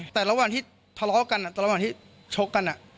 แต่ระหว่างที่ทะเลาะกันระหว่างที่ชกกัน